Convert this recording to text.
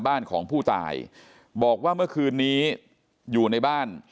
บ้านของผู้ตายบอกว่าเมื่อคืนนี้อยู่ในบ้าน